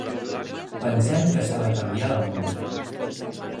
Pensem que s'ha de canviar el món.